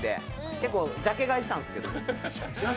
結構ジャケ買いしたんですけど。